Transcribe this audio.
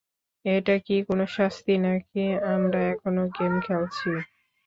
এটা কি কোন শাস্তি নাকি আমরা এখনও গেম খেলছি?